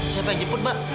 siapa yang jemput pak